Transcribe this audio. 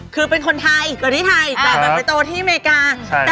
คือเป็นคนไทยกว่าที่ไทยแต่มันเกิดโตที่อเมริกา